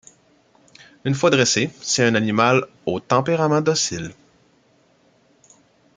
Une fois dressé, c'est un animal au tempérament docile.